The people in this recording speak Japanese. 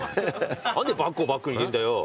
何でバッグをバッグに入れんだよ。